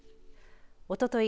おととい